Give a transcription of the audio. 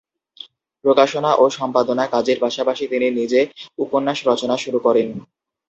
প্রকাশনা ও সম্পাদনা কাজের পাশাপাশি তিনি নিজে উপন্যাস রচনা শুরু করেন।